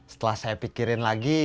setelah saya pikirin lagi